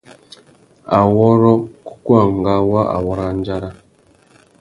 Awôrrô kúkúangâ wa awôrandzara.